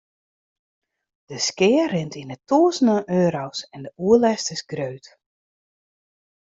De skea rint yn 'e tûzenen euro's en de oerlêst is grut.